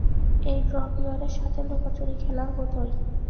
এটা ড্রপিয়রের সাথে লুকোচুরি খেলার মতোই।